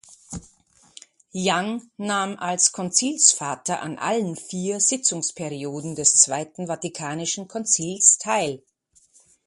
Young nahm als Konzilsvater an allen vier Sitzungsperioden des Zweiten Vatikanischen Konzils teil.